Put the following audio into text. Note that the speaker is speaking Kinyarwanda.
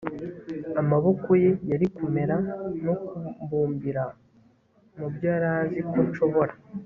amaboko ye yari kumera no kumbumbira mubyo yari azi ko nshobora